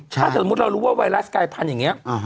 ถ้าสมมุติเรารู้ว่าไวรัสกายพันธุ์อย่างนี้